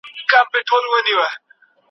د هغه د نظر له مخې، د عصبيت پيدايښت څه رول لري؟